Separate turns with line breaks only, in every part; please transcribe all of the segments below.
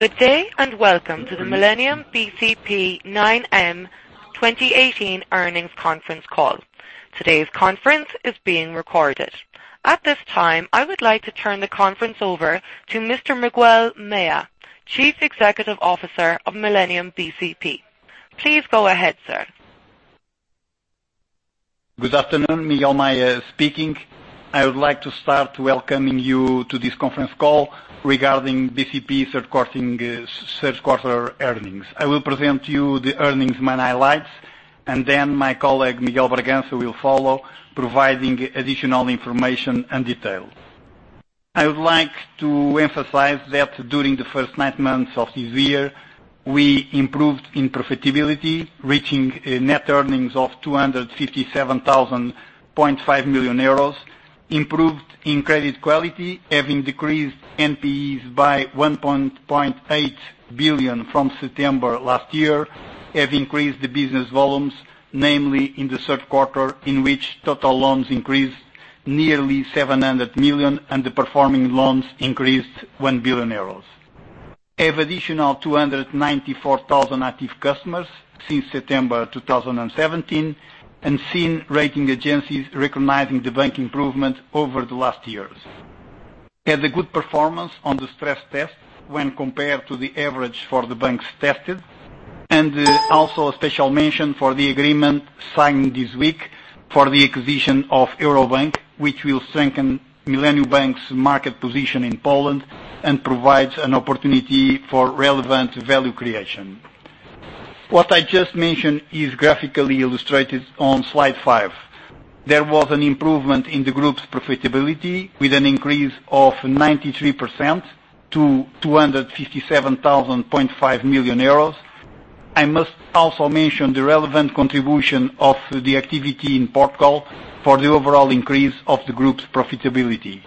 Good day, welcome to the Millennium bcp 9M 2018 Earnings Conference Call. Today's conference is being recorded. At this time, I would like to turn the conference over to Mr. Miguel Maya, Chief Executive Officer of Millennium bcp. Please go ahead, sir.
Good afternoon, Miguel Maya speaking. I would like to start welcoming you to this conference call regarding bcp Q3 earnings. I will present you the earnings main highlights, then my colleague, Miguel Bragança, will follow, providing additional information and details. I would like to emphasize that during the first nine months of this year, we improved in profitability, reaching net earnings of 257.5 million euros, improved in credit quality, having decreased NPEs by 1.8 billion from September last year, have increased the business volumes, namely in the Q3, in which total loans increased nearly 700 million and the performing loans increased 1 billion euros. Have additional 294,000 active customers since September 2017, and seen rating agencies recognizing the bank improvement over the last years. Had a good performance on the stress tests when compared to the average for the banks tested, also a special mention for the agreement signed this week for the acquisition of Euro Bank, which will strengthen Millennium Bank's market position in Poland and provides an opportunity for relevant value creation. What I just mentioned is graphically illustrated on slide five. There was an improvement in the group's profitability with an increase of 93% to 257.5 million euros. I must also mention the relevant contribution of the activity in Portugal for the overall increase of the group's profitability.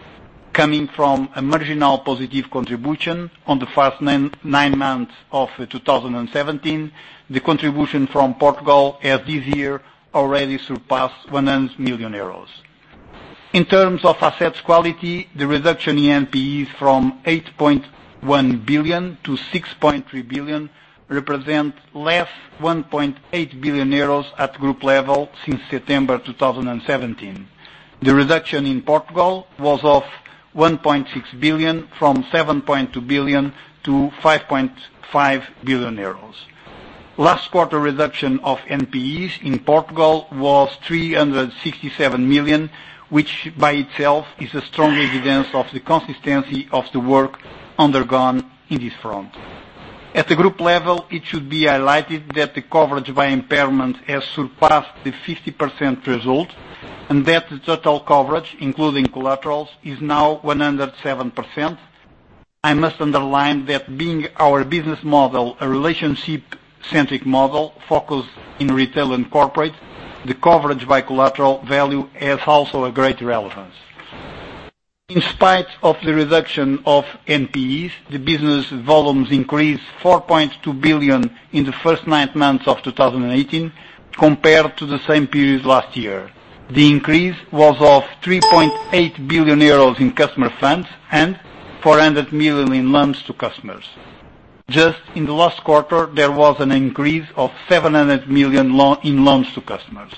Coming from a marginal positive contribution on the first nine months of 2017, the contribution from Portugal this year already surpassed 100 million euros. In terms of asset quality, the reduction in NPEs from 8.1 billion to 6.3 billion represent less 1.8 billion euros at group level since September 2017. The reduction in Portugal was of 1.6 billion from 7.2 billion-5.5 billion euros. Last quarter reduction of NPEs in Portugal was 367 million, which by itself is a strong evidence of the consistency of the work undergone in this front. At the group level, it should be highlighted that the coverage by impairment has surpassed the 50% result, the total coverage, including collaterals, is now 107%. I must underline that being our business model a relationship-centric model focused in retail and corporate, the coverage by collateral value has also a great relevance. In spite of the reduction of NPEs, the business volumes increased 4.2 billion in the first nine months of 2018 compared to the same period last year. The increase was of 3.8 billion euros in customer funds and 400 million in loans to customers. Just in the last quarter, there was an increase of 700 million in loans to customers.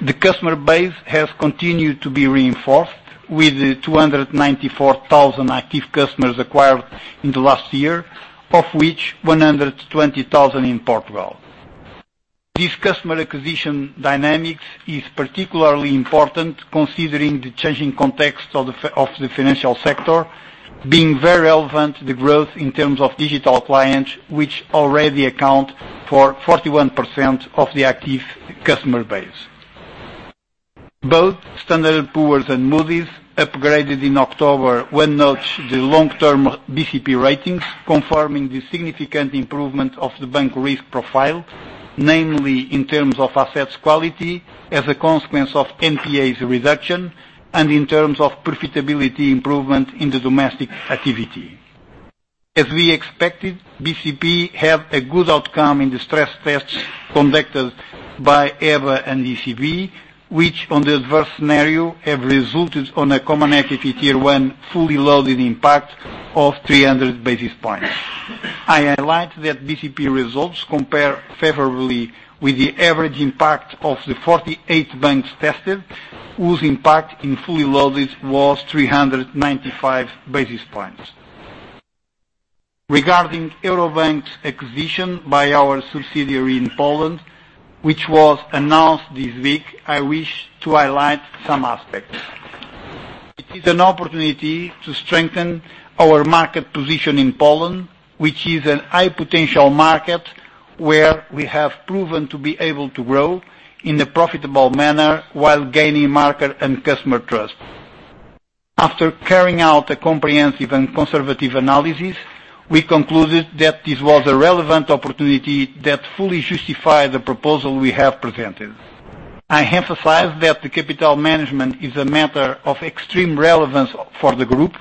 The customer base has continued to be reinforced with the 294,000 active customers acquired in the last year, of which 120,000 in Portugal. This customer acquisition dynamics is particularly important considering the changing context of the financial sector being very relevant to the growth in terms of digital clients, which already account for 41% of the active customer base. Both Standard & Poor's and Moody's upgraded in October one notch the long-term bcp ratings confirming the significant improvement of the bank risk profile, namely in terms of asset quality as a consequence of NPAs reduction and in terms of profitability improvement in the domestic activity. As we expected, bcp had a good outcome in the stress tests conducted by EBA and ECB, which on the adverse scenario have resulted on a Common Equity Tier 1 fully loaded impact of 300 basis points. I highlight that bcp results compare favorably with the average impact of the 48 banks tested, whose impact in fully loaded was 395 basis points. Regarding Euro Bank's acquisition by our subsidiary in Poland, which was announced this week, I wish to highlight some aspects. It is an opportunity to strengthen our market position in Poland, which is a high potential market where we have proven to be able to grow in a profitable manner while gaining market and customer trust. After carrying out a comprehensive and conservative analysis, we concluded that this was a relevant opportunity that fully justified the proposal we have presented. I emphasize that the capital management is a matter of extreme relevance for the group.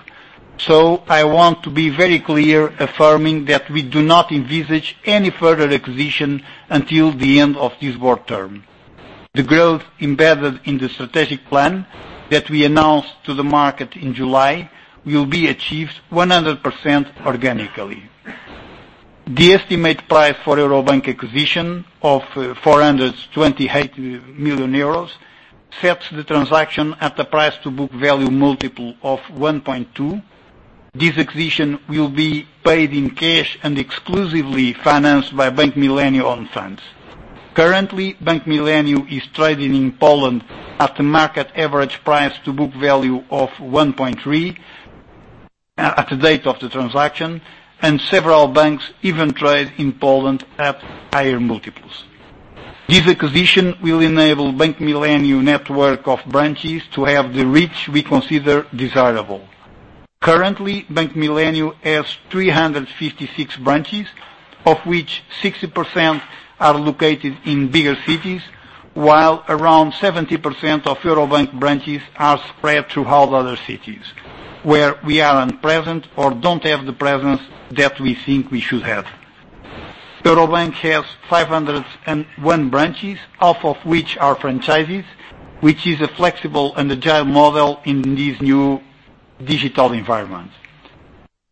I want to be very clear, affirming that we do not envisage any further acquisition until the end of this board term. The growth embedded in the strategic plan that we announced to the market in July will be achieved 100% organically. The estimated price for Euro Bank acquisition of 428 million euros sets the transaction at the price-to-book value multiple of 1.2. This acquisition will be paid in cash and exclusively financed by Bank Millennium own funds. Currently, Bank Millennium is trading in Poland at the market average price-to-book value of 1.3 at the date of the transaction, and several banks even trade in Poland at higher multiples. This acquisition will enable Bank Millennium network of branches to have the reach we consider desirable. Currently, Bank Millennium has 356 branches, of which 60% are located in bigger cities, while around 70% of Euro Bank branches are spread throughout other cities where we are present or don't have the presence that we think we should have. Euro Bank has 501 branches, half of which are franchises, which is a flexible and agile model in this new digital environment.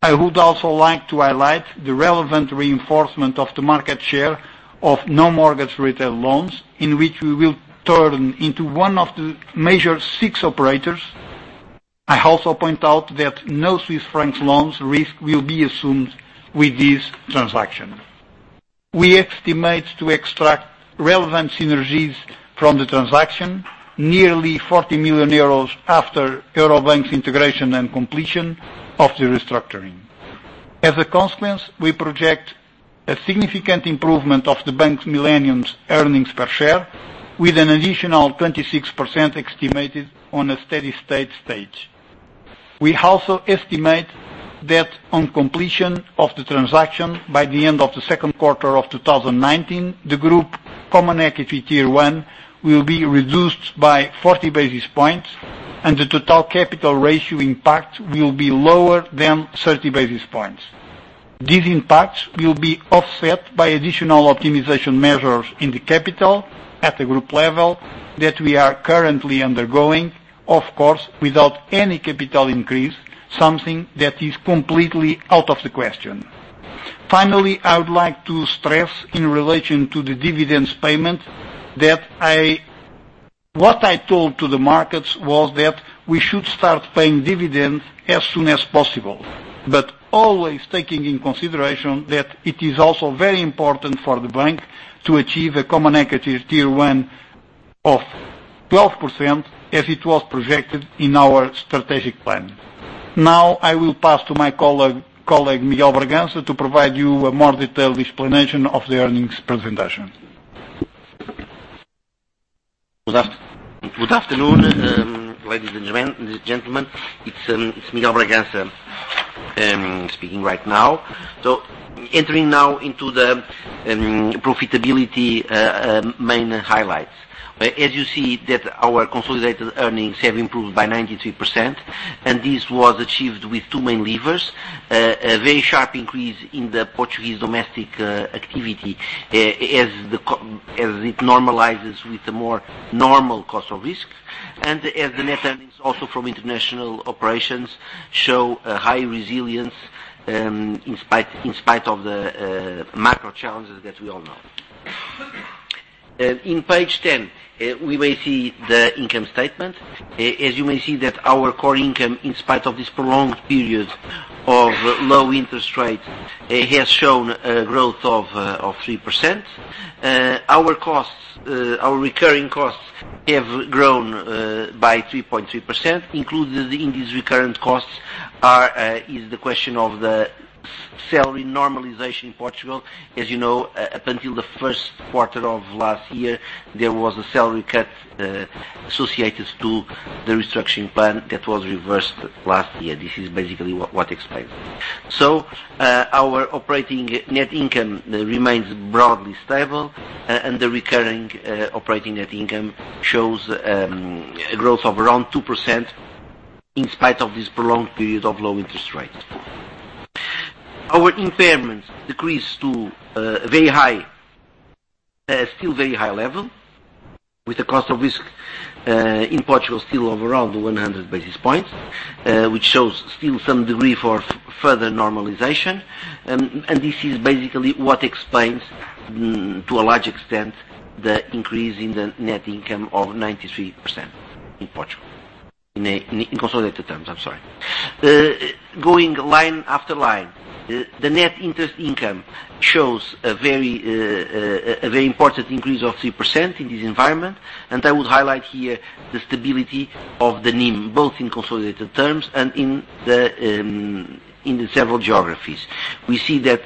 I would also like to highlight the relevant reinforcement of the market share of non-mortgage retail loans, in which we will turn into one of the major six operators. I also point out that no Swiss franc loans risk will be assumed with this transaction. We estimate to extract relevant synergies from the transaction, nearly 40 million euros after Euro Bank integration and completion of the restructuring. As a consequence, we project a significant improvement of the Bank Millennium's earnings per share with an additional 26% estimated on a steady-state stage. We also estimate that on completion of the transaction by the end of the Q2 of 2019, the group Common Equity Tier 1 will be reduced by 40 basis points, and the total capital ratio impact will be lower than 30 basis points. These impacts will be offset by additional optimization measures in the capital at the group level that we are currently undergoing, of course, without any capital increase, something that is completely out of the question. Finally, I would like to stress in relation to the dividends payment that what I told to the markets was that we should start paying dividends as soon as possible, but always taking in consideration that it is also very important for the bank to achieve a Common Equity Tier 1 of 12% as it was projected in our strategic plan. Now, I will pass to my colleague, Miguel Bragança, to provide you a more detailed explanation of the earnings presentation.
Good afternoon, ladies and gentlemen. It's Miguel Bragança speaking right now. Entering now into the profitability main highlights. As you see that our consolidated earnings have improved by 93%, and this was achieved with two main levers. A very sharp increase in the Portuguese domestic activity as it normalizes with the more normal cost of risk, and as the net earnings also from international operations show a high resilience in spite of the macro challenges that we all know. In page 10, we may see the income statement. As you may see that our core income, in spite of this prolonged period of low interest rates, has shown a growth of three percent. Our recurring costs have grown by 3.3%. Included in these recurrent costs is the question of the salary normalization in Portugal. As you know, up until the Q1 of last year, there was a salary cut associated to the restructuring plan that was reversed last year. This is basically what explains it. Our operating net income remains broadly stable, and the recurring operating net income shows growth of around two percent in spite of this prolonged period of low interest rates. Our impairments decreased to a still very high level with the cost of risk in Portugal still of around 100 basis points, which shows still some degree for further normalization. This is basically what explains, to a large extent, the increase in the net income of 93% in Portugal. In consolidated terms, I'm sorry. Going line after line. The net interest income shows a very important increase of three percent in this environment. I would highlight here the stability of the NIM, both in consolidated terms and in the several geographies. We see that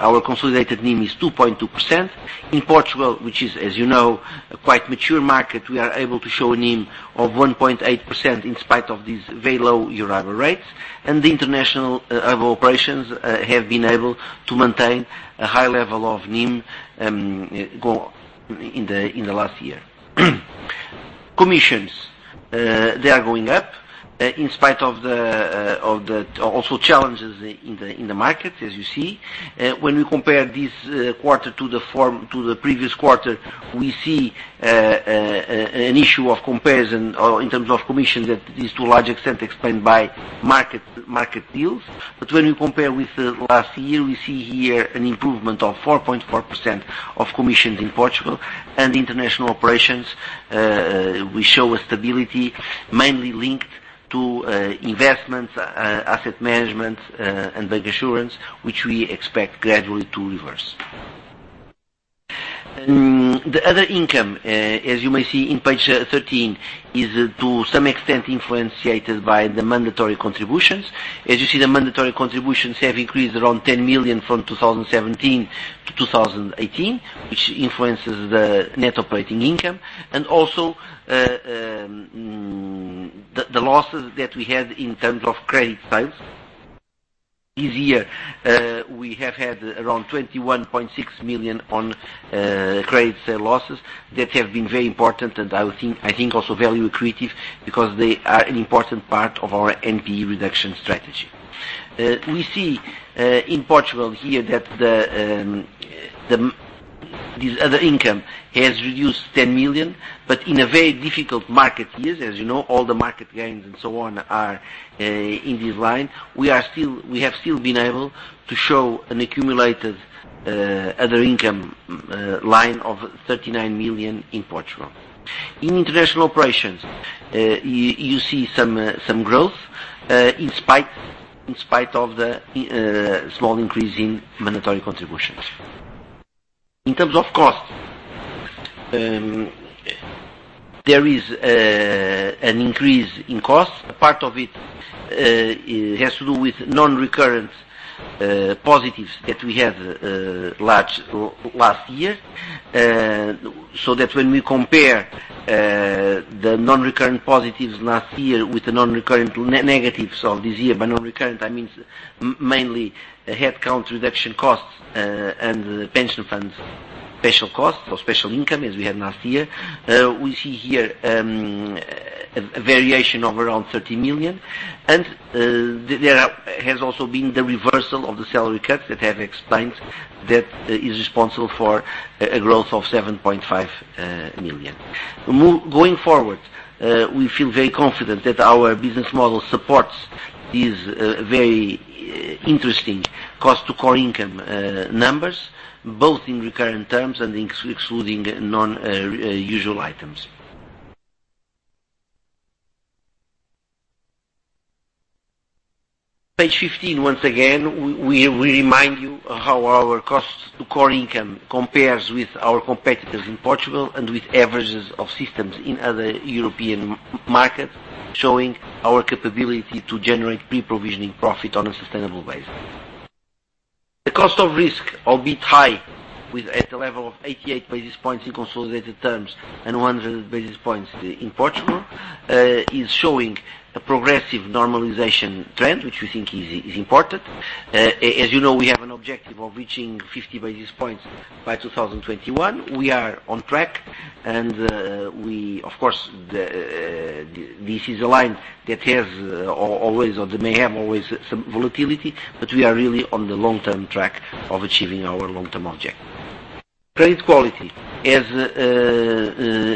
our consolidated NIM is 2.2% in Portugal, which is, as you know, a quite mature market. We are able to show a NIM of 1.8% in spite of these very low Euribor rates, and the international operations have been able to maintain a high level of NIM in the last year. Commissions, they are going up in spite of the challenges in the market, as you see. When we compare this quarter to the previous quarter, we see an issue of comparison in terms of commission that is to a large extent explained by market deals. When we compare with the last year, we see here an improvement of 4.4% of commissions in Portugal and international operations. We show a stability mainly linked to investments, asset management, and bancassurance, which we expect gradually to reverse. The other income, as you may see on page 13, is to some extent influenced by the mandatory contributions. As you see, the mandatory contributions have increased around 10 million from 2017 - 2018, which influences the net operating income and also the losses that we had in terms of credit sales. This year, we have had around 21.6 million on credit sales losses that have been very important, and I think also value accretive because they are an important part of our NPE reduction strategy. We see in Portugal here that this other income has reduced 10 million, but in a very difficult market year, as you know, all the market gains and so on are in this line. We have still been able to show an accumulated other income line of 39 million in Portugal. In international operations, you see some growth in spite of the small increase in mandatory contributions. In terms of cost, there is an increase in cost. A part of it has to do with non-recurrent positives that we had last year, so that when we compare the non-recurrent positives last year with the non-recurrent negatives of this year, by non-recurrent, I mean mainly headcount reduction costs and pension funds, special costs or special income as we had last year. We see here a variation of around 30 million. There has also been the reversal of the salary cuts that have explained that is responsible for a growth of 7.5 million. Going forward, we feel very confident that our business model supports these very interesting cost to core income numbers, both in recurrent terms and excluding non-usual items. Page 15, once again, we remind you how our cost to core income compares with our competitors in Portugal and with averages of systems in other European markets, showing our capability to generate pre-provisioning profit on a sustainable basis. The cost of risk, albeit high, with at the level of 88 basis points in consolidated terms and 100 basis points in Portugal, is showing a progressive normalization trend, which we think is important. As you know, we have an objective of reaching 50 basis points by 2021. We are on track. Of course, this is a line that may have always some volatility, but we are really on the long-term track of achieving our long-term objective. Credit quality. As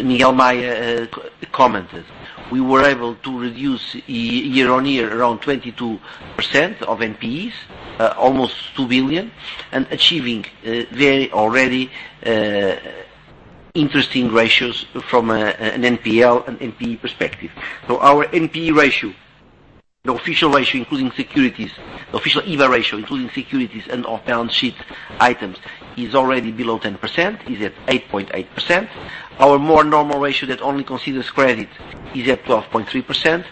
Miguel Maya commented, we were able to reduce year-over-year around 22% of NPEs, almost 2 billion, and achieving very already interesting ratios from an NPL and NPE perspective. Our NPE ratio, the official EBA ratio, including securities and off-balance sheet items, is already below 10%, is at 8.8%. Our more normal ratio that only considers credit is at 12.3%.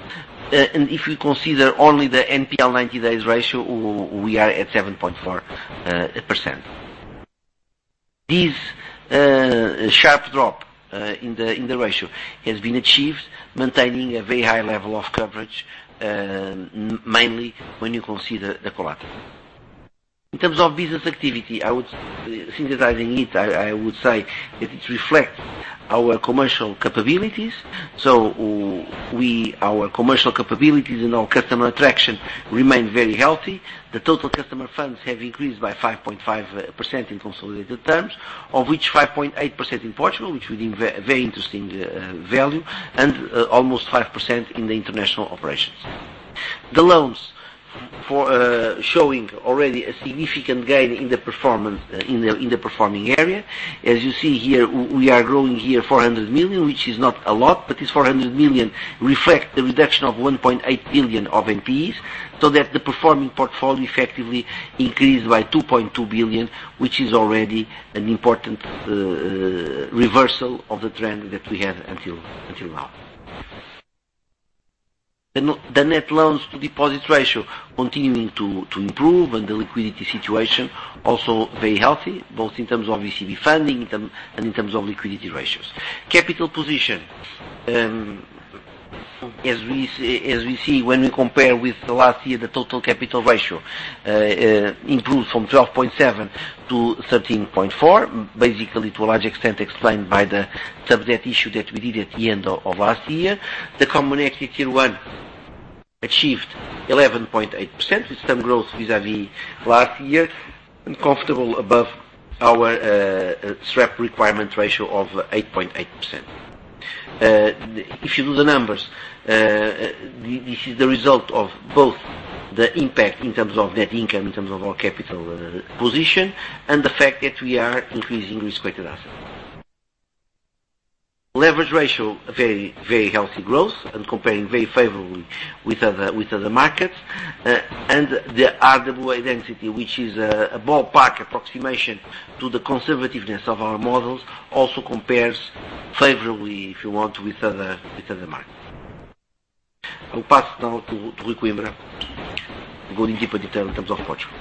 If you consider only the NPL 90 days ratio, we are at 7.4%. This sharp drop in the ratio has been achieved maintaining a very high level of coverage, mainly when you consider the collateral. In terms of business activity, synthesizing it, I would say that it reflects our commercial capabilities. Our commercial capabilities and our customer attraction remain very healthy. The total customer funds have increased by 5.5% in consolidated terms, of which 5.8% in Portugal, which we think very interesting value, and almost five percent in the international operations. The loans showing already a significant gain in the performing area. As you see here, we are growing here 400 million, which is not a lot, but this 400 million reflect the reduction of 1.8 billion of NPEs, so that the performing portfolio effectively increased by 2.2 billion, which is already an important reversal of the trend that we had until now. The net loans to deposit ratio continuing to improve and the liquidity situation also very healthy, both in terms of ECB funding and in terms of liquidity ratios. Capital position. As we see when we compare with last year, the total capital ratio improved from 12.7% to 13.4%, basically to a large extent explained by the CoCo issue that we did at the end of last year. The Common Equity Tier 1 achieved 11.8%, with some growth vis-à-vis last year and comfortable above our SREP requirement ratio of 8.8%. If you do the numbers, this is the result of both the impact in terms of net income, in terms of our capital position, and the fact that we are increasing risk-weighted assets. Leverage ratio, very healthy growth and comparing very favorably with other markets. The RWA density, which is a ballpark approximation to the conservativeness of our models, also compares favorably, if you want, with other markets. I'll pass now to Rui Coimbra, going into detail in terms of Portugal.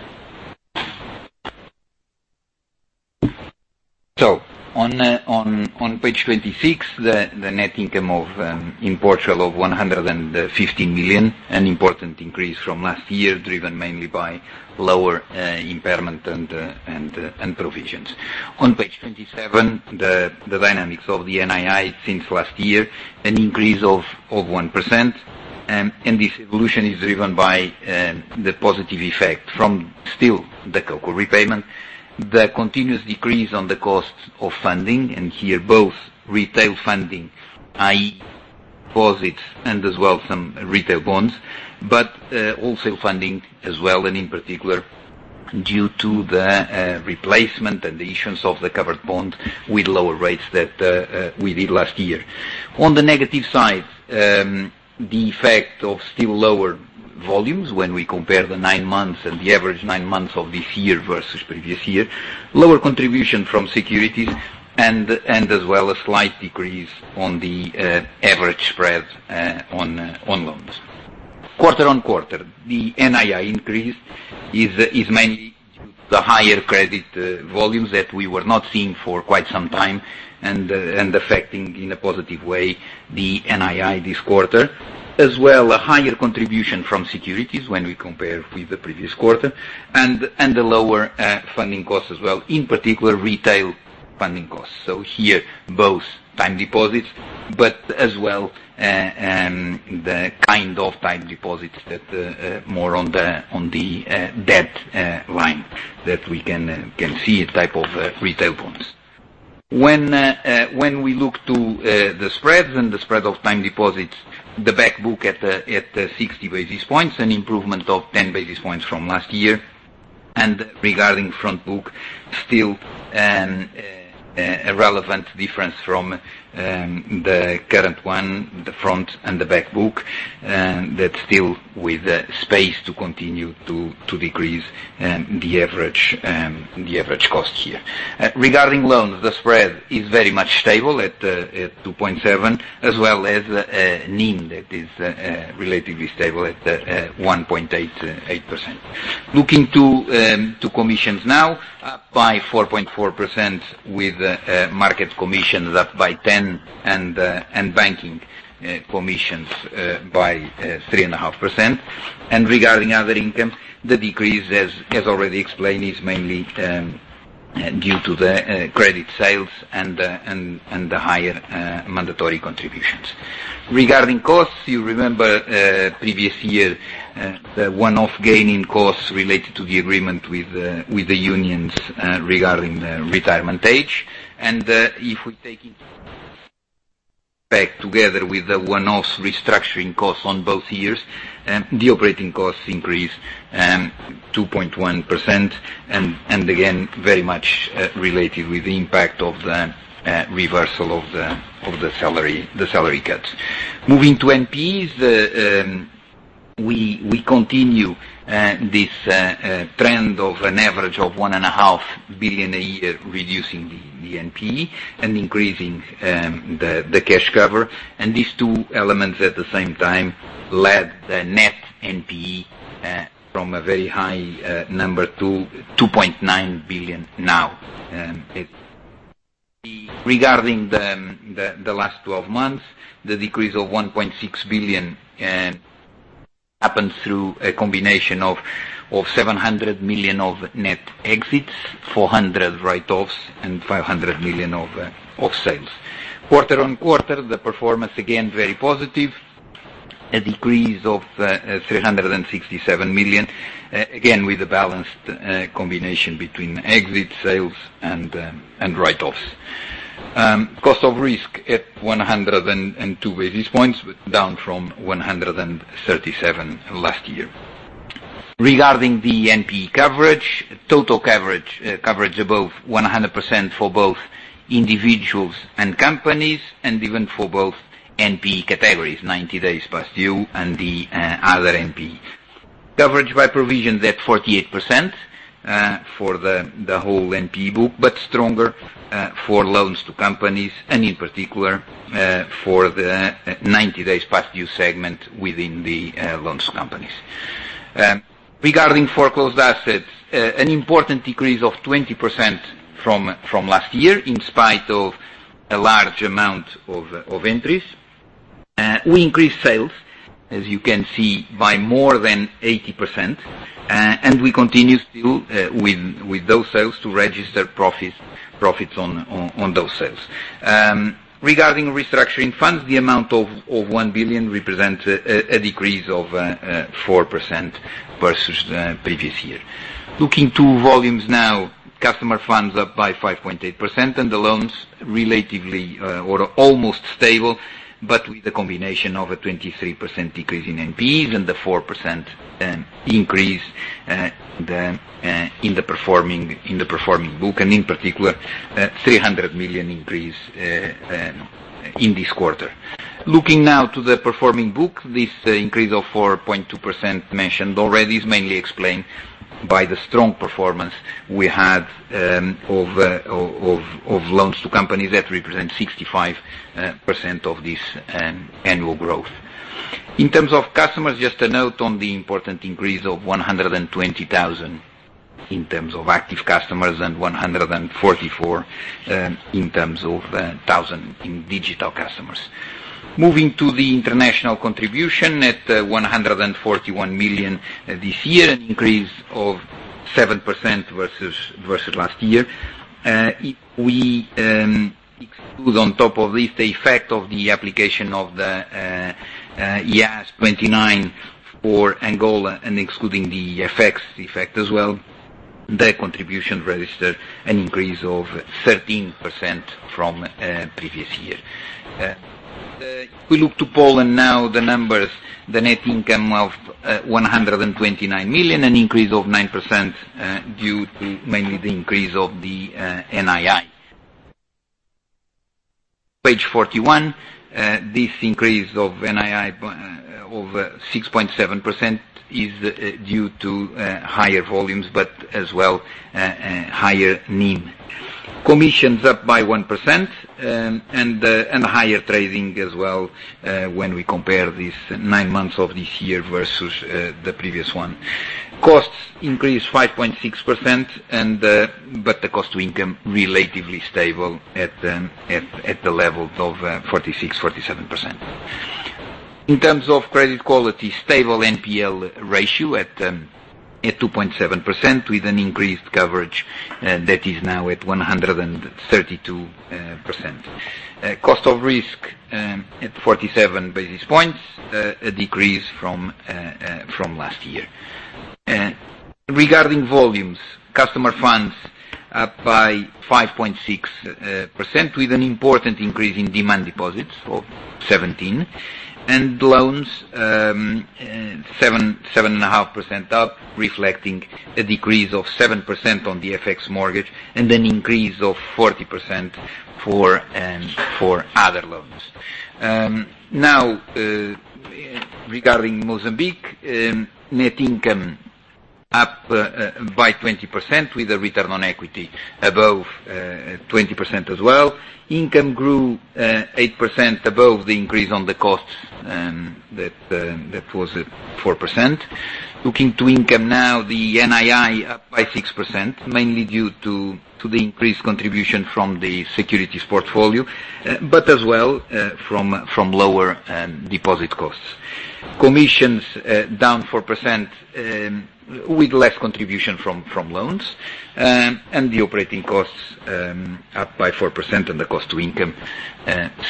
On page 26, the net income in Portugal of 115 million, an important increase from last year, driven mainly by lower impairment and provisions. On page 27, the dynamics of the NII since last year, an increase of one percent. This evolution is driven by the positive effect from still the CoCo repayment. The continuous decrease on the costs of funding, and here both retail funding, i.e. deposits and as well some retail bonds, but wholesale funding as well, and in particular, due to the replacement and the issuance of the covered bond with lower rates that we did last year. On the negative side, the effect of still lower volumes when we compare the nine months and the average nine months of this year versus previous year, lower contribution from securities, as well, a slight decrease on the average spread on loans. Quarter-on-quarter, the NII increase is mainly due to the higher credit volumes that we were not seeing for quite some time and affecting in a positive way the NII this quarter. A higher contribution from securities when we compare with the previous quarter, and the lower funding cost as well, in particular, retail funding costs. So here, both time deposits, but as well, the kind of time deposits that more on the debt line that we can see a type of retail bonds. When we look to the spreads and the spread of time deposits, the back book at 60 basis points, an improvement of 10 basis points from last year. Regarding front book, still a relevant difference from the current one, the front and the back book, that is still with space to continue to decrease the average cost here. Regarding loans, the spread is very much stable at 2.7, as well as NIM that is relatively stable at 1.88%. Looking to commissions now, up by 4.4% with market commissions up by 10% and banking commissions by 3.5%. Regarding other income, the decrease, as already explained, is mainly due to the credit sales and the higher mandatory contributions. Regarding costs, you remember previous year, the one-off gain in costs related to the agreement with the unions regarding the retirement age. If we take into back together with the one-off restructuring costs on both years, the operating costs increased 2.1%, and again, very much related with the impact of the reversal of the salary cuts. Moving to NPEs, we continue this trend of an average of 1.5 billion a year, reducing the NPE and increasing the cash cover. These two elements at the same time led the net NPE from a very high number to 2.9 billion now. Regarding the last 12 months, the decrease of 1.6 billion happens through a combination of 700 million of net exits, 400 million write-offs, and 500 million of sales. Quarter-on-quarter, the performance, again, very positive. A decrease of 367 million, again, with a balanced combination between exit, sales, and write-offs. cost of risk at 102 basis points, down from 137 last year. Regarding the NPE coverage, total coverage above 100% for both individuals and companies, and even for both NPE categories, 90 days past due and the other NPEs. Coverage by provision at 48% for the whole NPE book, but stronger for loans to companies, and in particular, for the 90 days past due segment within the loans to companies. Regarding foreclosed assets, an important decrease of 20% from last year, in spite of a large amount of entries. We increased sales, as you can see, by more than 80%, and we continue still with those sales to register profits on those sales. Regarding restructuring funds, the amount of 1 billion represent a decrease of four percent versus the previous year. Looking to volumes now, customer funds up by 5.8% and the loans relatively or almost stable, but with a combination of a 23% decrease in NPEs and the 4% increase in the performing book, and in particular, 300 million increase in this quarter. Looking now to the performing book, this increase of 4.2% mentioned already is mainly explained by the strong performance we had of loans to companies that represent 65% of this annual growth. In terms of customers, just a note on the important increase of 120,000, in terms of active customers, and 144,000 in digital customers. Moving to the international contribution at 141 million this year, an increase of seven percent versus last year. We exclude on top of this the effect of the application of the IAS 29 for Angola and excluding the effects as well, the contribution registered an increase of 13% from previous year. If we look to Poland now, the numbers, the net income of 129 million, an increase of nine percent due to mainly the increase of the NII. Page 41, this increase of NII of 6.7% is due to higher volumes, but as well higher NIM. Commissions up by one percent and higher trading as well, when we compare these nine months of this year versus the previous one. Costs increased 5.6%, but the cost to income relatively stable at the level of 46%-47%. In terms of credit quality, stable NPL ratio at 2.7% with an increased coverage that is now at 132%. Cost of risk at 47 basis points, a decrease from last year. Regarding volumes, customer funds up by 5.6% with an important increase in demand deposits of 17%, and loans, 7.5% up, reflecting a decrease of seven percent on the FX mortgage and an increase of 40% for other loans. Regarding Mozambique, net income up by 20% with a return on equity above 20% as well. Income grew eiht percent above the increase on the costs that was at four percent. Looking to income now, the NII up by six percent, mainly due to the increased contribution from the securities portfolio, but as well from lower deposit costs. Commissions down four percent with less contribution from loans. The operating costs up by four percent and the cost to income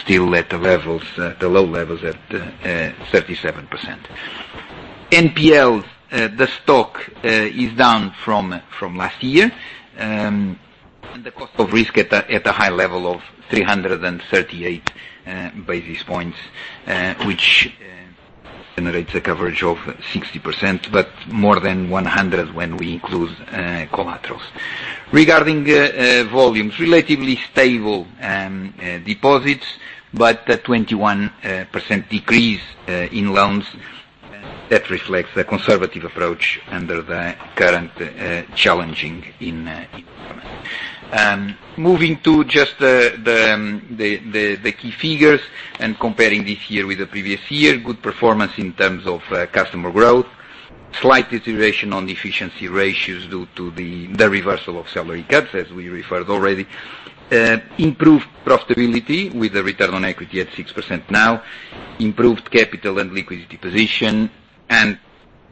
still at the low levels at 37%. NPL, the stock is down from last year, and the cost of risk at a high level of 338 basis points, which generates a coverage of 60%, but more than 100% when we include collaterals. Regarding volumes, relatively stable deposits, but a 21% decrease in loans that reflects the conservative approach under the current challenging environment. Moving to just the key figures and comparing this year with the previous year, good performance in terms of customer growth, slight deterioration on the efficiency ratios due to the reversal of salary cuts, as we referred already. Improved profitability with a return on equity at six percent now, improved capital and liquidity position, and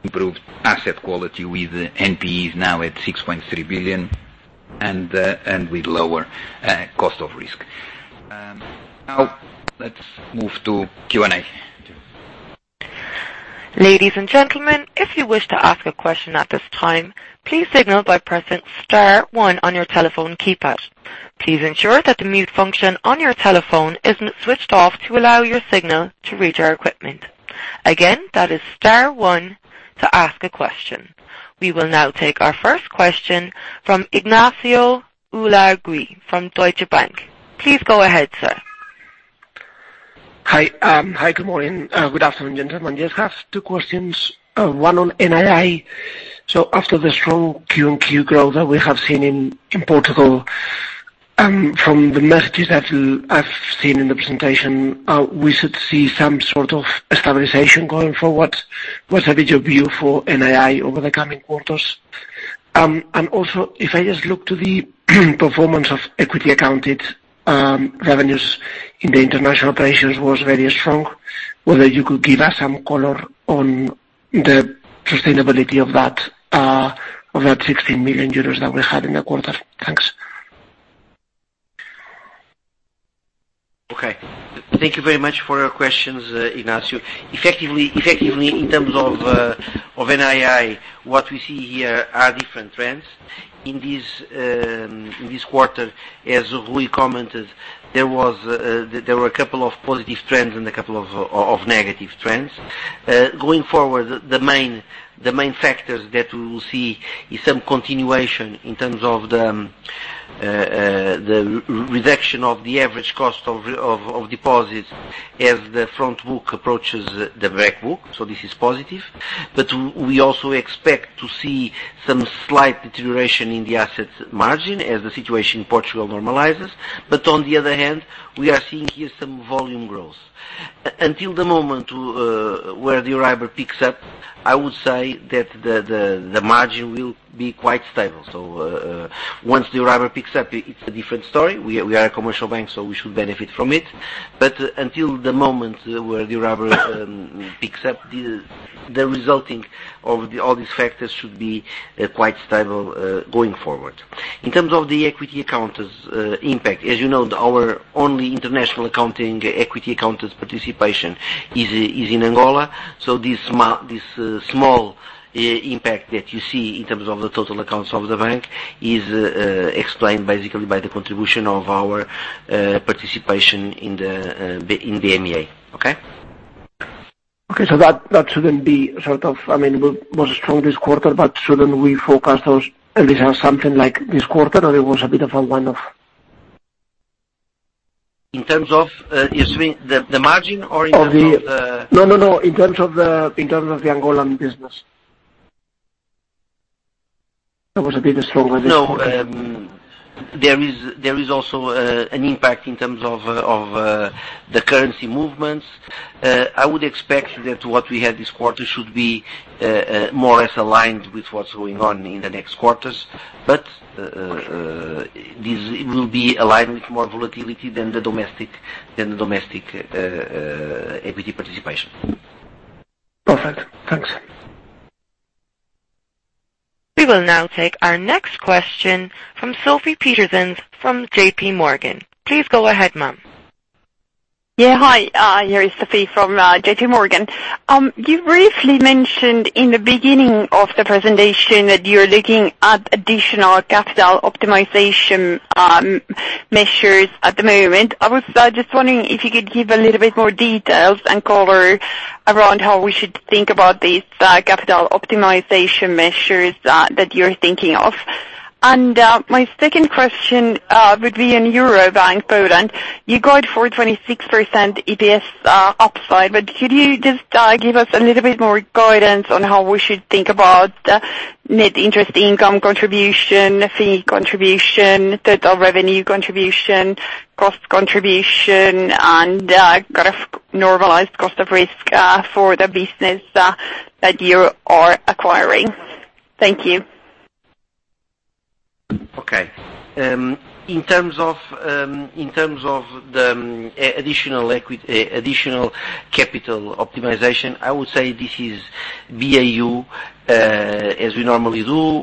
improved asset quality with NPs now at 6.3 billion and with lower cost of risk. Let's move to Q&A.
Ladies and gentlemen, if you wish to ask a question at this time, please signal by pressing star one on your telephone keypad. Please ensure that the mute function on your telephone is switched off to allow your signal to reach our equipment. Again, that is star one to ask a question. We will now take our first question from Ignacio Ulargui from Deutsche Bank. Please go ahead, sir.
Hi, good morning. Good afternoon, gentlemen. Just have two questions, one on NII. After the strong Q on Q growth that we have seen in Portugal. From the messages that I've seen in the presentation, we should see some sort of stabilization going forward. What's a bit of view for NII over the coming quarters? If I just look to the performance of equity accounted revenues in the international operations was very strong. Whether you could give us some color on the sustainability of that 16 million euros that we had in the quarter. Thanks.
Okay. Thank you very much for your questions, Ignacio. Effectively, in terms of NII, what we see here are different trends. In this quarter, as Rui commented, there were a couple of positive trends and a couple of negative trends. Going forward, the main factors that we will see is some continuation in terms of the reduction of the average cost of deposits as the front book approaches the back book. This is positive. We also expect to see some slight deterioration in the assets margin as the situation in Portugal normalizes. On the other hand, we are seeing here some volume growth. Until the moment where the Euribor picks up, I would say that the margin will be quite stable. Once the Euribor picks up, it's a different story. We are a commercial bank, we should benefit from it. Until the moment where the Euribor picks up, the resulting of all these factors should be quite stable going forward. In terms of the equity account impact, as you know, our only international accounting equity accounted participation is in Angola. This small impact that you see in terms of the total accounts of the bank is explained basically by the contribution of our participation in the BMA. Okay?
Okay, It was strong this quarter, shouldn't we forecast those at least as something like this quarter? It was a bit of a one-off.
In terms of, you're saying the margin or in terms of the-
No, in terms of the Angolan business. That was a bit stronger this quarter.
No, there is also an impact in terms of the currency movements. I would expect that what we had this quarter should be more or less aligned with what's going on in the next quarters. This will be aligned with more volatility than the domestic equity participation.
Perfect. Thanks.
We will now take our next question from Sofie Peterzens from J.P. Morgan. Please go ahead, ma'am.
Yeah. Hi, here is SoFie from J.P. Morgan. You briefly mentioned in the beginning of the presentation that you're looking at additional capital optimization measures at the moment. I was just wondering if you could give a little bit more details and color around how we should think about these capital optimization measures that you're thinking of. My second question would be on Euro Bank Poland. You got 426% EPS upside, but could you just give us a little bit more guidance on how we should think about net interest income contribution, fee contribution, total revenue contribution, cost contribution, and kind of normalized cost of risk for the business that you are acquiring. Thank you.
Okay. In terms of the additional capital optimization, I would say this is BAU as we normally do.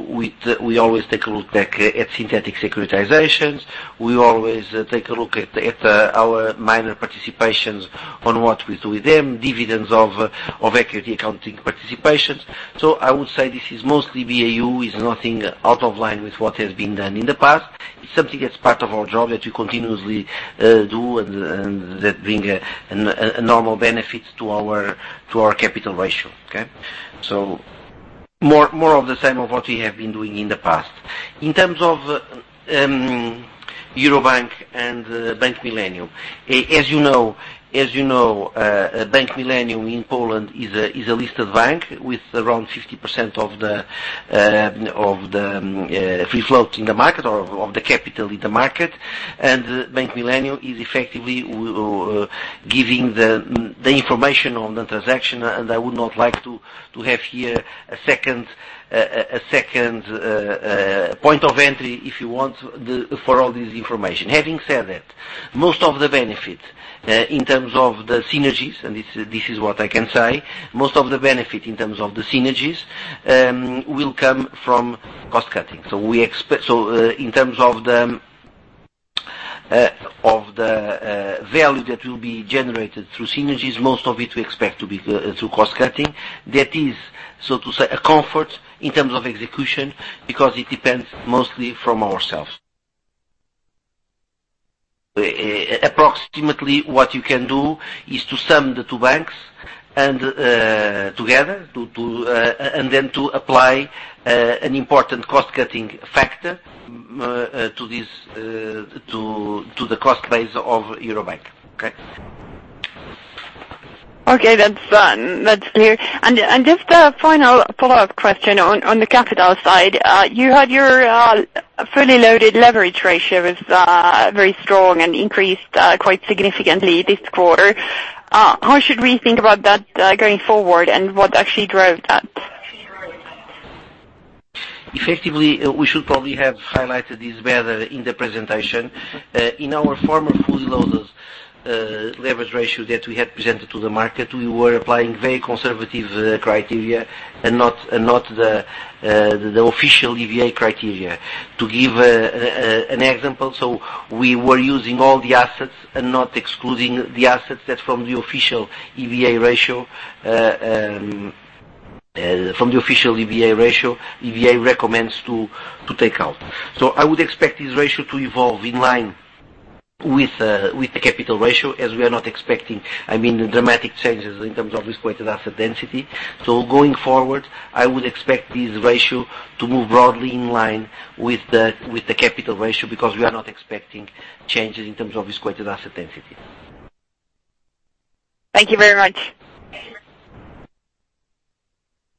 We always take a look back at synthetic securitizations. We always take a look at our minor participations on what we do with them, dividends of equity accounting participations. I would say this is mostly BAU. It's nothing out of line with what has been done in the past. It's something that's part of our job that we continuously do and that bring a normal benefit to our capital ratio. Okay? More of the same of what we have been doing in the past. In terms of Euro Bank and Bank Millennium, as you know, Bank Millennium in Poland is a listed bank with around 50% of the free float in the market or of the capital in the market. Bank Millennium is effectively giving the information on the transaction, I would not like to have here a second point of entry, if you want, for all this information. Most of the benefit in terms of the synergies, and this is what I can say, most of the benefit in terms of the synergies will come from cost cutting. In terms of the value that will be generated through synergies, most of it we expect to be through cost cutting. That is, so to say, a comfort in terms of execution because it depends mostly from ourselves. Approximately what you can do is to sum the two banks together, then to apply an important cost-cutting factor to the cost base of Euro Bank. Okay?
Okay, that's clear. Just a final follow-up question on the capital side. You had your fully loaded leverage ratio was very strong and increased quite significantly this quarter. How should we think about that going forward, what actually drove that?
Effectively, we should probably have highlighted this better in the presentation. In our former fully loaded leverage ratio that we had presented to the market, we were applying very conservative criteria not the official EBA criteria. To give an example, we were using all the assets and not excluding the assets that from the official EBA ratio EBA recommends to take out. I would expect this ratio to evolve in line with the capital ratio as we are not expecting dramatic changes in terms of risk-weighted asset density. Going forward, I would expect this ratio to move broadly in line with the capital ratio, because we are not expecting changes in terms of risk-weighted asset density.
Thank you very much.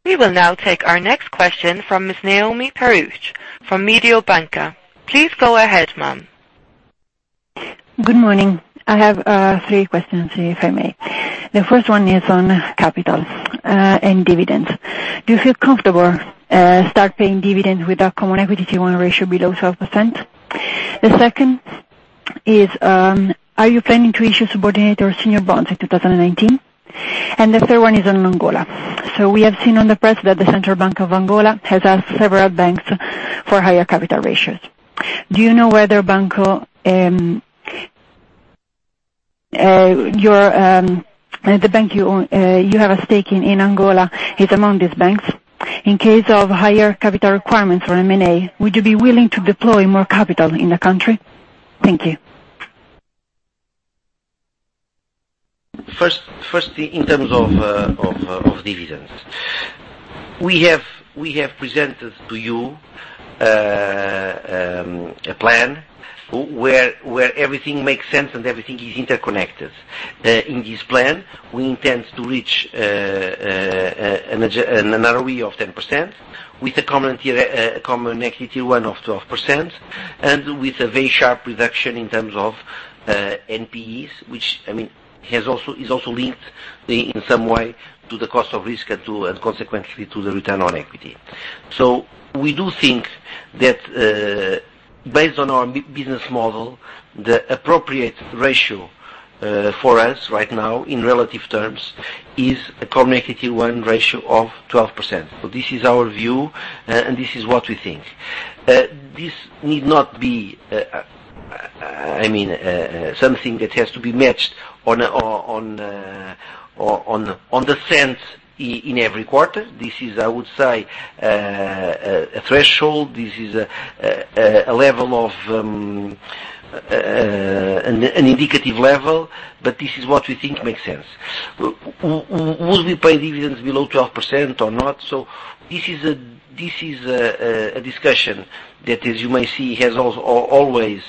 We will now take our next question from Ms. Noemi Peruch from Mediobanca. Please go ahead, ma'am.
Good morning. I have three questions, if I may. The first one is on capital and dividends. Do you feel comfortable start paying dividends with our Common Equity Tier 1 ratio below 12%? The second is, are you planning to issue subordinate or senior bonds in 2019? The third one is on Angola. We have seen on the press that the Banco Nacional de Angola has asked several banks for higher capital ratios. Do you know whether the bank you have a stake in Angola is among these banks? In case of higher capital requirements for M&A, would you be willing to deploy more capital in the country? Thank you.
First, in terms of dividends. We have presented to you a plan where everything makes sense and everything is interconnected. In this plan, we intend to reach an ROE of 10% with a Common Equity one of 12%, and with a very sharp reduction in terms of NPEs, which is also linked in some way to the cost of risk and consequently to the return on equity. We do think that based on our business model, the appropriate ratio for us right now, in relative terms, is a Core Equity one ratio of 12%. This is our view, and this is what we think. This need not be something that has to be matched on the cent in every quarter. This is, I would say, a threshold. This is an indicative level, but this is what we think makes sense. Would we pay dividends below 12% or not? This is a discussion that, as you may see, has always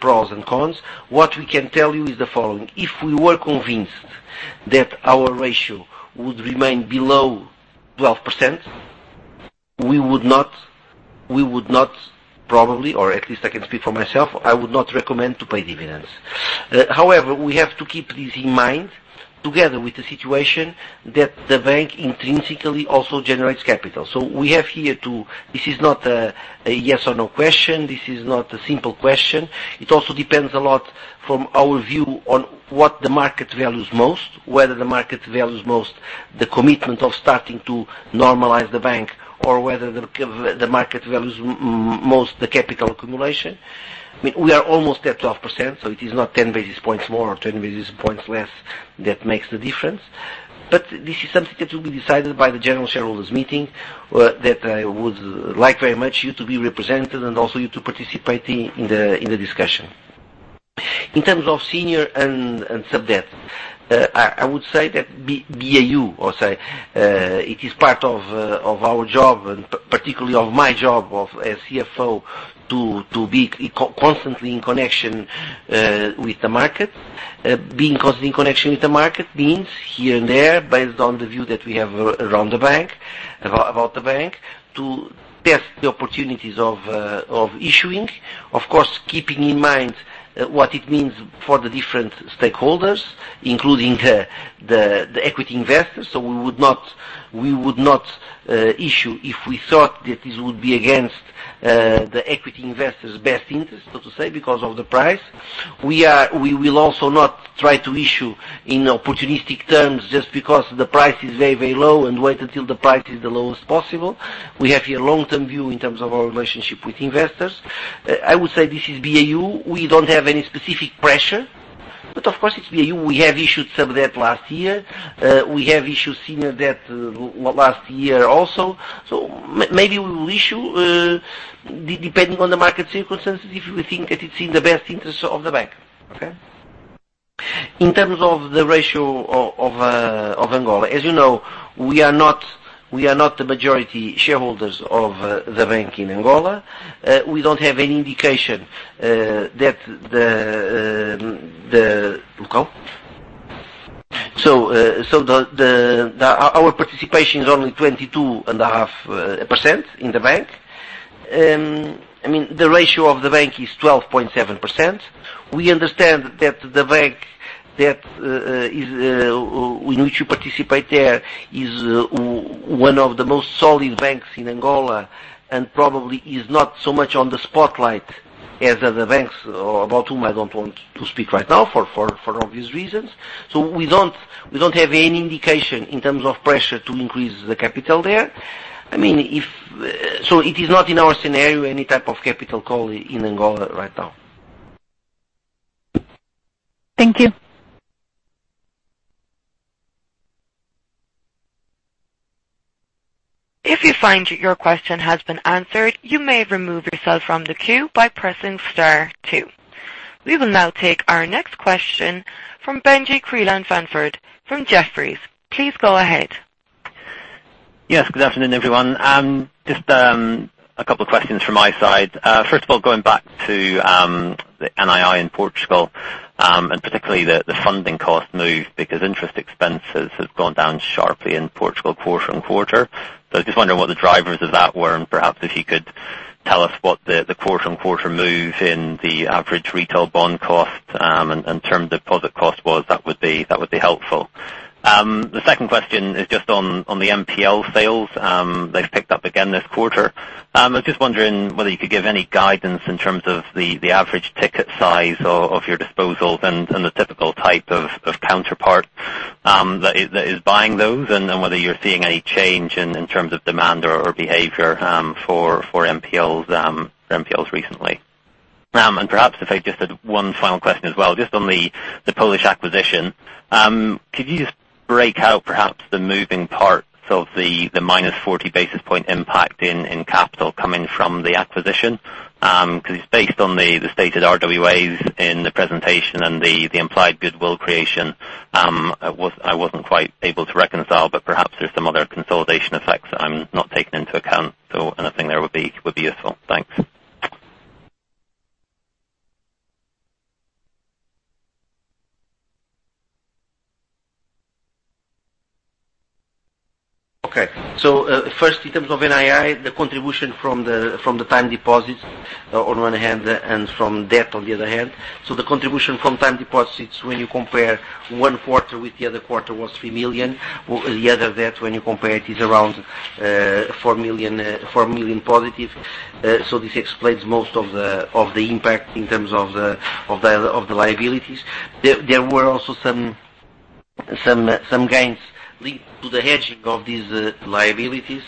pros and cons. What we can tell you is the following. If we were convinced that our ratio would remain below 12%, we would not probably, or at least I can speak for myself, I would not recommend to pay dividends. However, we have to keep this in mind, together with the situation that the bank intrinsically also generates capital. We have here too, this is not a yes or no question. This is not a simple question. It also depends a lot from our view on what the market values most, whether the market values most the commitment of starting to normalize the bank or whether the market values most the capital accumulation. We are almost at 12%, so it is not 10 basis points more or 10 basis points less that makes the difference. This is something that will be decided by the general shareholders meeting, that I would like very much you to be represented and also you to participate in the discussion. In terms of senior and sub debt, I would say that BAU or say it is part of our job and particularly of my job as CFO to be constantly in connection with the market. Being constantly in connection with the market means here and there, based on the view that we have around the bank, about the bank, to test the opportunities of issuing. Of course, keeping in mind what it means for the different stakeholders, including the equity investors. We would not issue if we thought that this would be against the equity investors' best interest, so to say, because of the price. We will also not try to issue in opportunistic terms just because the price is very low and wait until the price is the lowest possible. We have here long-term view in terms of our relationship with investors. I would say this is BAU. We don't have any specific pressure, but of course it's BAU. We have issued sub debt last year. We have issued senior debt last year also. Maybe we will issue, depending on the market circumstances, if we think that it's in the best interest of the bank. Okay. In terms of the ratio of Angola, as you know, we are not the majority shareholders of the bank in Angola. We don't have any indication that the Our participation is only 22.5% in the bank. The ratio of the bank is 12.7%. We understand that the bank in which you participate there is one of the most solid banks in Angola, and probably is not so much on the spotlight as other banks about whom I don't want to speak right now, for obvious reasons. We don't have any indication in terms of pressure to increase the capital there. It is not in our scenario any type of capital call in Angola right now.
Thank you. If you find your question has been answered, you may remove yourself from the queue by pressing star two. We will now take our next question from Benjie Creelan-Sandford from Jefferies. Please go ahead.
Yes. Good afternoon, everyone. Just a couple of questions from my side. First of all, going back to the NII in Portugal, and particularly the funding cost move, because interest expenses have gone down sharply in Portugal quarter-on-quarter. I was just wondering what the drivers of that were, and perhaps if you could tell us what the quarter-on-quarter move in the average retail bond cost and term deposit cost was, that would be helpful. The second question is just on the NPL sales. They've picked up again this quarter. I was just wondering whether you could give any guidance in terms of the average ticket size of your disposals and the typical type of counterpart that is buying those, and then whether you're seeing any change in terms of demand or behavior for NPLs recently. Perhaps if I just had one final question as well, just on the Polish acquisition. Could you just break out perhaps the moving parts of the minus 40 basis point impact in capital coming from the acquisition? Because based on the stated RWAs in the presentation and the implied goodwill creation, I wasn't quite able to reconcile, but perhaps there's some other consolidation effects that I'm not taking into account. Anything there would be useful. Thanks.
Okay. First, in terms of NII, the contribution from the time deposits on one hand and from debt on the other hand. The contribution from time deposits when you compare one quarter with the other quarter was 3 million. The other debt, when you compare it, is around 4 million positive. This explains most of the impact in terms of the liabilities. There were also some gains linked to the hedging of these liabilities,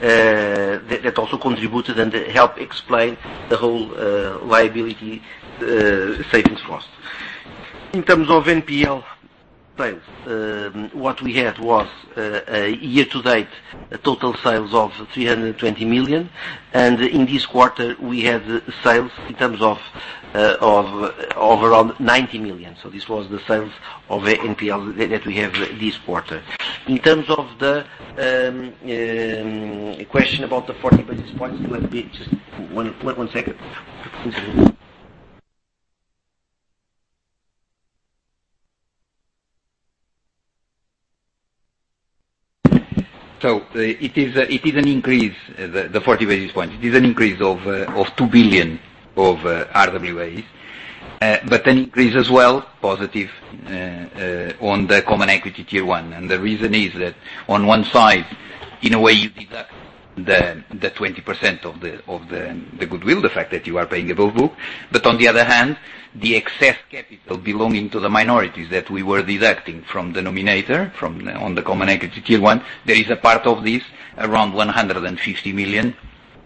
that also contributed and help explain the whole liability savings cost. In terms of NPL sales, what we had was a year-to-date, total sales of 320 million, and in this quarter, we had sales in terms of around 90 million. This was the sales of NPL that we have this quarter. In terms of the question about the 40 basis points, just one second. It is an increase, the 40 basis point. It is an increase of 2 billion over RWAs. An increase as well, positive, on the Common Equity Tier 1. The reason is that on one side, in a way you deduct the 20% of the goodwill, the fact that you are paying above book. On the other hand, the excess capital belonging to the minorities that we were deducting from denominator on the Common Equity Tier 1, there is a part of this, around 150 million,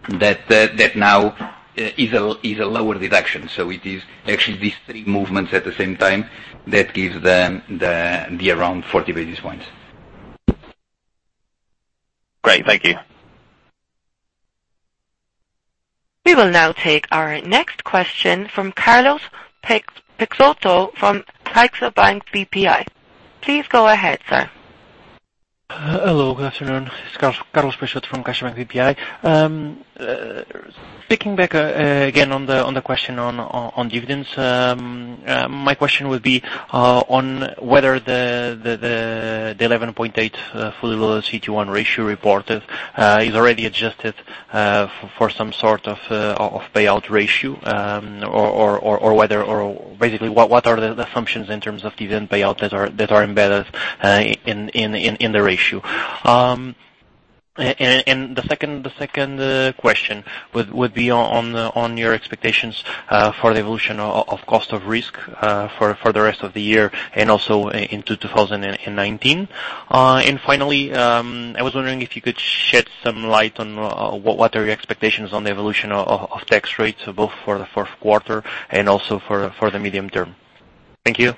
that now is a lower deduction. It is actually these three movements at the same time that gives the around 40 basis points.
Great. Thank you.
We will now take our next question from Carlos Peixoto from CaixaBank BPI. Please go ahead, sir.
Hello. Good afternoon. It's Carlos Peixoto from CaixaBank BPI. Picking back again on the question on dividends. My question would be on whether the 11.8 fully loaded CET1 ratio reported is already adjusted for some sort of payout ratio, or basically, what are the assumptions in terms of dividend payout that are embedded in the ratio? The second question would be on your expectations for the evolution of cost of risk for the rest of the year and also into 2019. Finally, I was wondering if you could shed some light on what are your expectations on the evolution of tax rates, both for the Q4 and also for the medium term. Thank you.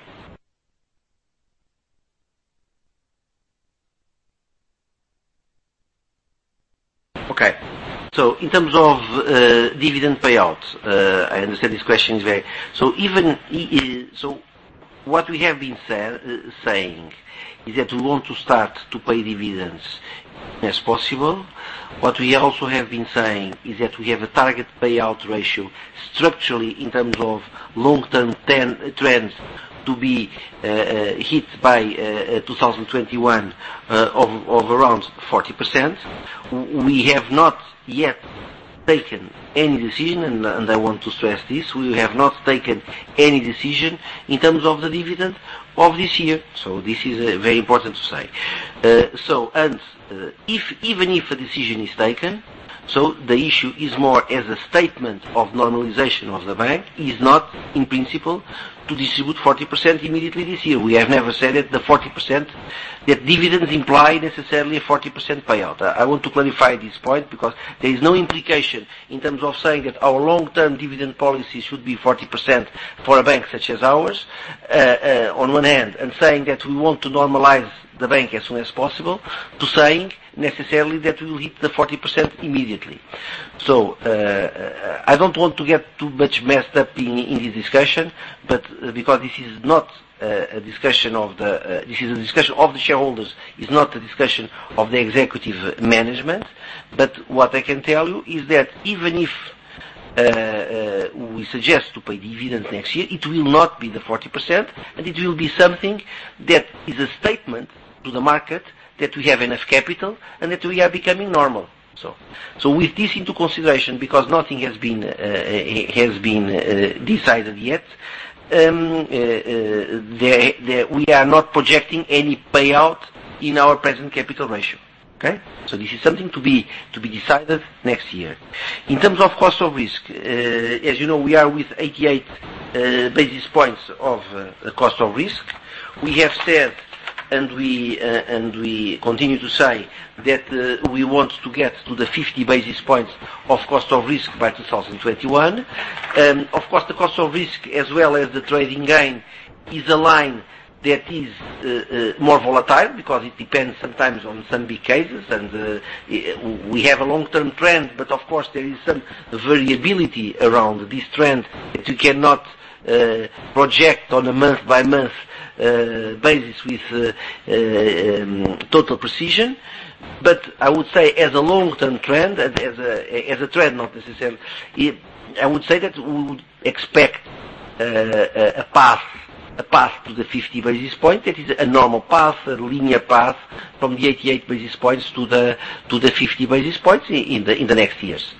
In terms of dividend payout, I understand this question is what we have been saying is that we want to start to pay dividends as possible. What we also have been saying is that we have a target payout ratio structurally in terms of long-term trends to be hit by 2021 of around 40%. We have not yet taken any decision, I want to stress this, we have not taken any decision in terms of the dividend of this year. This is very important to say. Even if a decision is taken, the issue is more as a statement of normalization of the bank is not, in principle, to distribute 40% immediately this year. We have never said that dividends imply necessarily a 40% payout. I want to clarify this point because there is no implication in terms of saying that our long-term dividend policy should be 40% for a bank such as ours on one end, and saying that we want to normalize the bank as soon as possible, to saying necessarily that we will hit the 40% immediately. I don't want to get too much messed up in this discussion, because this is a discussion of the shareholders, it is not a discussion of the executive management. What I can tell you is that even if we suggest to pay dividends next year, it will not be the 40%, and it will be something that is a statement to the market that we have enough capital and that we are becoming normal. With this into consideration, because nothing has been decided yet, we are not projecting any payout in our present capital ratio. Okay? This is something to be decided next year. In terms of cost of risk, as you know, we are with 88 basis points of cost of risk. We have said, and we continue to say that we want to get to the 50 basis points of cost of risk by 2021. Of course, the cost of risk as well as the trading gain is a line that is more volatile because it depends sometimes on some big cases, and we have a long-term trend, but of course, there is some variability around this trend that we cannot project on a month-by-month basis with total precision. I would say as a long-term trend, as a trend not necessary I would say that we would expect a path to the 50 basis point, that is a normal path, a linear path from the 88 basis points to the 50 basis points in the next years.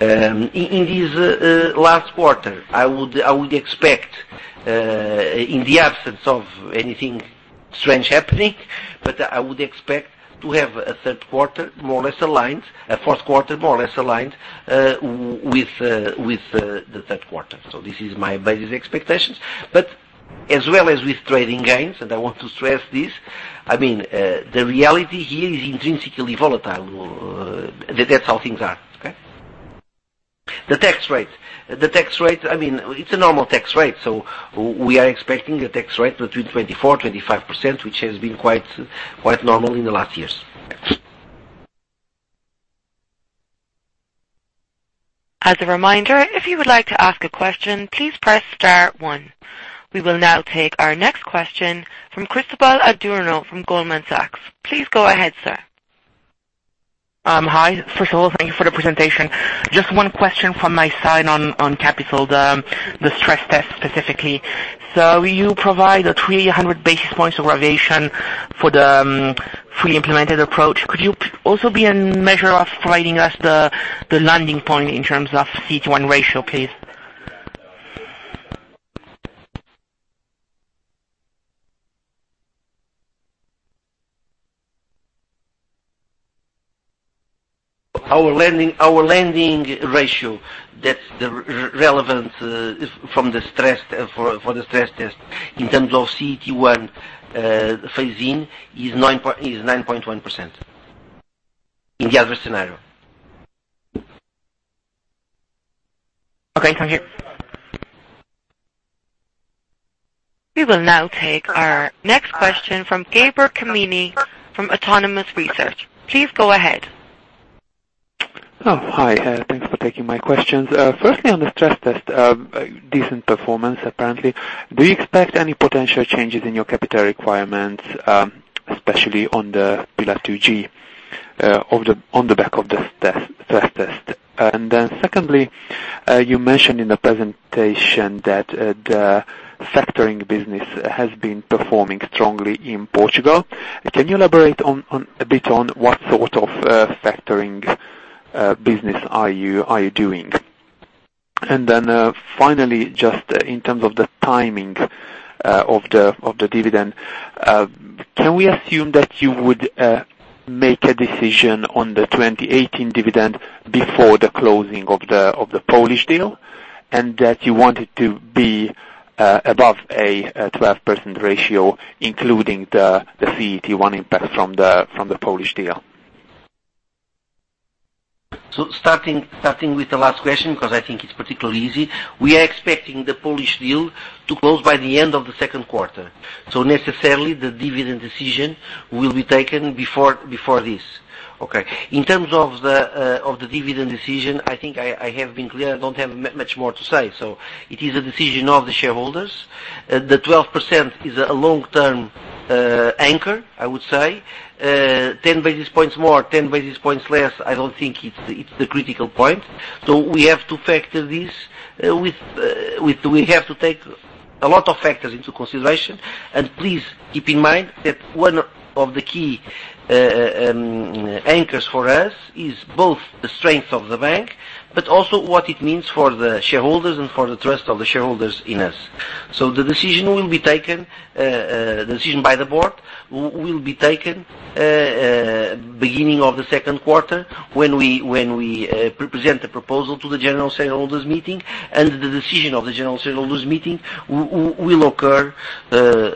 In this last quarter, I would expect, in the absence of anything strange happening, I would expect to have a Q4 more or less aligned with the Q3. This is my basic expectations. As well as with trading gains, and I want to stress this, the reality here is intrinsically volatile. That's how things are. Okay? The tax rate. The tax rate, it is a normal tax rate. We are expecting a tax rate between 24%-25%, which has been quite normal in the last years.
As a reminder, if you would like to ask a question, please press star one. We will now take our next question from Cristobal Adorno from Goldman Sachs. Please go ahead, sir.
Hi. First of all, thank you for the presentation. Just one question from my side on capital, the stress test specifically. You provide a 300 basis points of revision for the fully implemented approach. Could you also be in measure of providing us the landing point in terms of CET1 ratio, please?
Our landing ratio, that's relevant for the stress test in terms of CETone phasing is 9.1% in the adverse scenario.
Okay. Thank you.
We will now take our next question from Gabriel Kaminski from Autonomous Research. Please go ahead.
Oh, hi. Thanks for taking my questions. Firstly, on the stress test, decent performance, apparently. Do you expect any potential changes in your capital requirements, especially on the Pillar 2G, on the back of the stress test? Secondly, you mentioned in the presentation that the factoring business has been performing strongly in Portugal. Can you elaborate a bit on what sort of factoring business are you doing? Finally, just in terms of the timing of the dividend, can we assume that you would make a decision on the 2018 dividend before the closing of the Polish deal and that you want it to be above a 12% ratio, including the CET1 impact from the Polish deal?
Starting with the last question, because I think it's particularly easy. We are expecting the Polish deal to close by the end of the Q2. Necessarily, the dividend decision will be taken before this. Okay. In terms of the dividend decision, I think I have been clear, I don't have much more to say. It is a decision of the shareholders. The 12% is a long-term anchor, I would say. 10 basis points more, 10 basis points less, I don't think it's the critical point. We have to take a lot of factors into consideration. Please keep in mind that one of the key anchors for us is both the strength of the bank, but also what it means for the shareholders and for the trust of the shareholders in us. The decision by the board will be taken beginning of the Q2 when we present a proposal to the general shareholders meeting, and the decision of the general shareholders meeting will occur during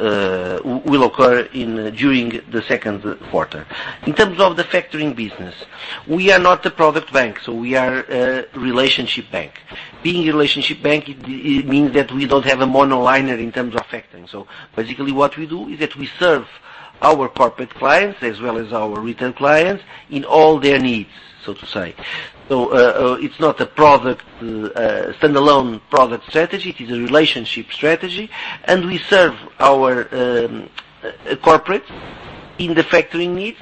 the Q2. In terms of the factoring business, we are not a product bank. We are a relationship bank. Being a relationship bank, it means that we don't have a monoline in terms of factoring. Basically what we do is that we serve our corporate clients as well as our retail clients in all their needs, so to say. It's not a standalone product strategy, it is a relationship strategy. We serve our corporate in the factoring needs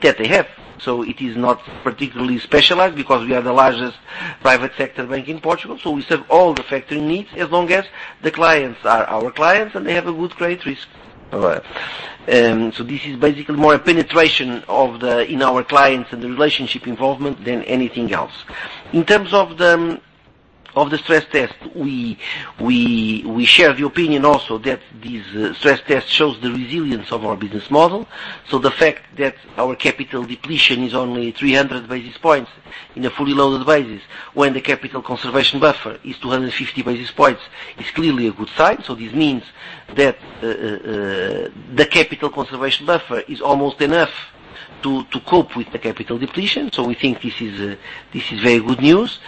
that they have. It is not particularly specialized because we are the largest private sector bank in Portugal. We serve all the factoring needs as long as the clients are our clients and they have a good credit risk. This is basically more a penetration in our clients and the relationship involvement than anything else. In terms of the stress test, we share the opinion also that this stress test shows the resilience of our business model. The fact that our capital depletion is only 300 basis points in a fully loaded basis when the capital conservation buffer is 250 basis points is clearly a good sign. This means that the capital conservation buffer is almost enough to cope with the capital depletion. We think this is very good news.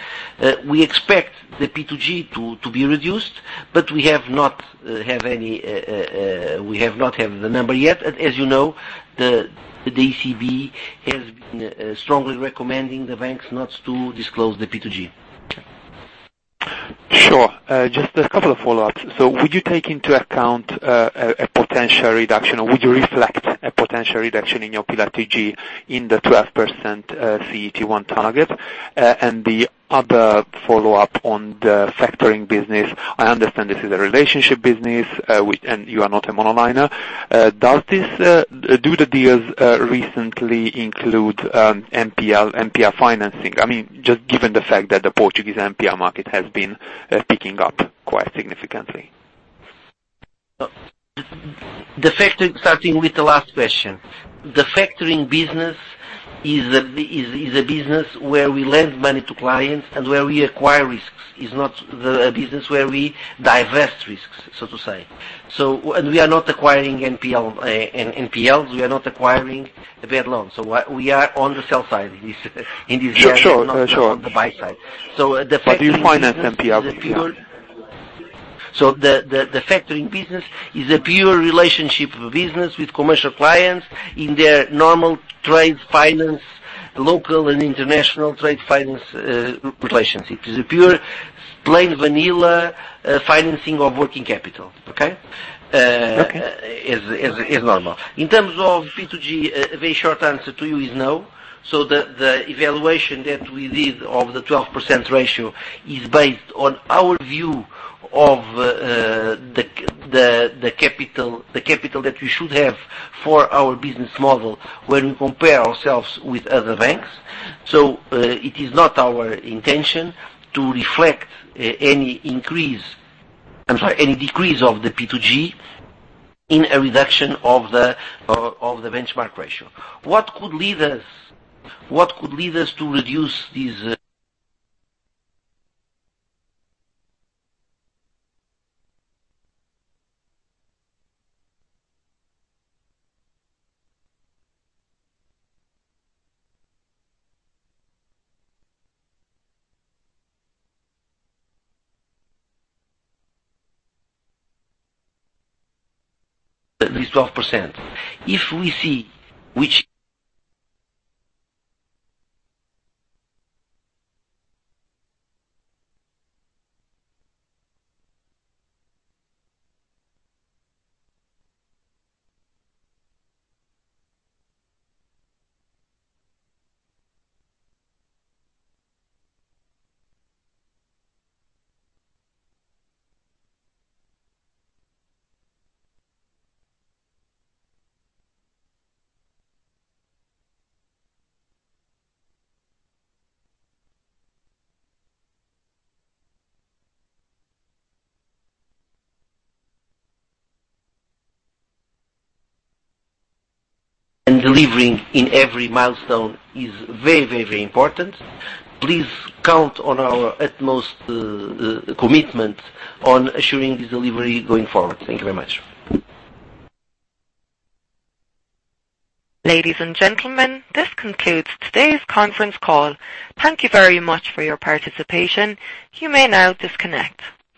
We expect the P2G to be reduced, but we have not had the number yet. As you know, the ECB has been strongly recommending the banks not to disclose the P2G.
Sure. Just a couple of follow-ups. Would you take into account a potential reduction, or would you reflect a potential reduction in your Pillar 2G in the 12% CET1 target? The other follow-up on the factoring business, I understand this is a relationship business, and you are not a monolineer. Do the deals recently include NPL financing? Just given the fact that the Portuguese NPL market has been picking up quite significantly.
Starting with the last question. The factoring business is a business where we lend money to clients and where we acquire risks. It is not the business where we divest risks, so to say. We are not acquiring NPLs. We are not acquiring bad loans. We are on the sell side in this area.
Sure.
Not on the buy side. The factoring business is a pure relationship business with commercial clients in their normal trade finance, local and international trade finance relationship. It is a pure, plain vanilla financing of working capital, okay?
Okay.
Is normal. In terms of P2G, a very short answer to you is no. The evaluation that we did of the 12% ratio is based on our view of the capital that we should have for our business model when we compare ourselves with other banks. It is not our intention to reflect any decrease of the P2G in a reduction of the benchmark ratio. What could lead us to reduce this Delivering in every milestone is very important. Please count on our utmost commitment on assuring the delivery going forward. Thank you very much.
Ladies and gentlemen, this concludes today's conference call. Thank you very much for your participation. You may now disconnect.